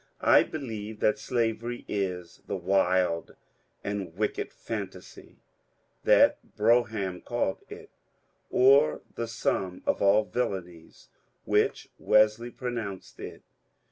I believe that slavery is the ^^ wild and wicked phantasy " that Brougham called it ; or the " sum of all villainies " which Wesley pro nounced it.